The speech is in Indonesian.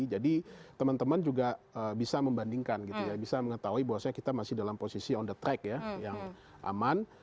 teman teman juga bisa membandingkan gitu ya bisa mengetahui bahwasanya kita masih dalam posisi on the track ya yang aman